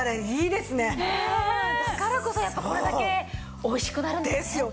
だからこそやっぱこれだけおいしくなるんですね。